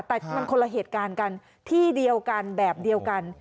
แต่มันคนละเหตุการณ์กันที่เดียวกันแบบเดียวกัน